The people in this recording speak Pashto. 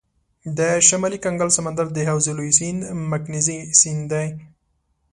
د شمالي کنګل سمندر د حوزې لوی سیند مکنزي سیند دی.